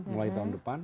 mulai tahun depan